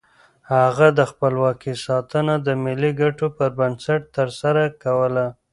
هغه د خپلواکۍ ساتنه د ملي ګټو پر بنسټ ترسره کوله.